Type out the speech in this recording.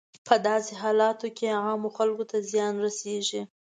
په داسې حالاتو کې عامو خلکو ته زیان رسیږي.